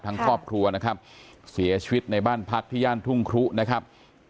ครอบครัวนะครับเสียชีวิตในบ้านพักที่ย่านทุ่งครุนะครับ